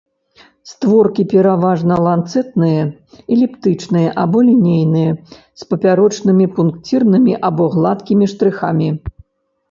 Створкі пераважна ланцэтныя, эліптычныя або лінейныя, з папярочнымі пункцірнымі або гладкімі штрыхамі.